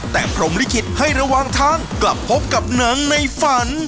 แต่พรมลิขิตให้ระหว่างทางกลับพบกับหนังในฝัน